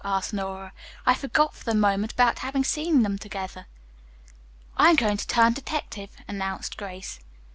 asked Nora. "I forgot for the moment about having seen them together." "I am going to turn detective," announced Grace.